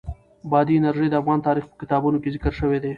بادي انرژي د افغان تاریخ په کتابونو کې ذکر شوی دي.